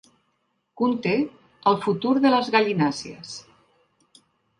Conté el futur de les gallinàcies.